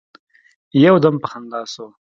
يو دم په خندا سو.